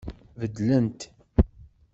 Beddlent